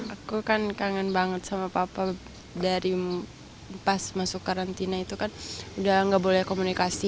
aku kan kangen banget sama papa dari pas masuk karantina itu kan udah gak boleh komunikasi